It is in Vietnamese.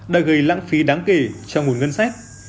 đã gây lãng phí đáng kể cho nguồn ngân sách